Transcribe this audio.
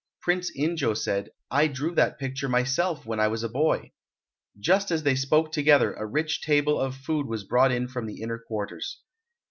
Prince In jo said, "I drew that picture myself when I was a boy." Just as they spoke together a rich table of food was brought in from the inner quarters.